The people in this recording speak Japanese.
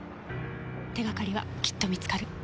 手掛かりはきっと見つかる。